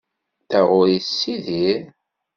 Taɣuri tessidir.